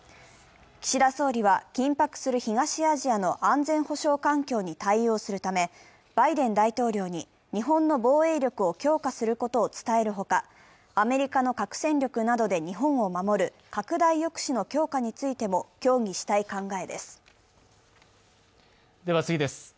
岸田総理は緊迫する東アジアの安全保障環境に対応するためバイデン大統領に日本の防衛力を強化することを伝えるほか、アメリカ核戦力などで日本を守る拡大抑止の強化についても協議したい考えです。